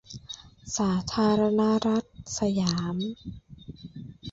สาธารณรัฐสยาม